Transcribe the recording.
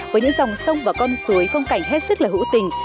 với những dòng sông và con suối phong cảnh hết sức là hữu tình